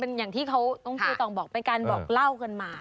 เป็นอย่างที่น้องจูตองบอกเป็นการบอกเล่ากันมา